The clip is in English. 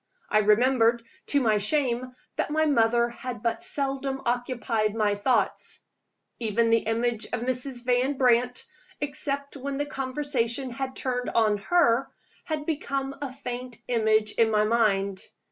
I remembered, to my shame, that my mother had but seldom occupied my thoughts. Even the image of Mrs. Van Brandt except when the conversation had turned on her had become a faint image in my mind!